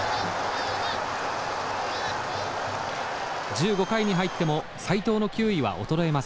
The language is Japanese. １５回に入っても斎藤の球威は衰えません。